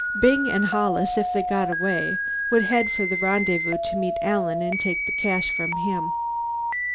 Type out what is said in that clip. Byng and Hollis, if they got away, would head for the rendezvous to meet Alan and take the cash from him.